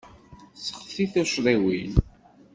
Seɣti tucḍiwin.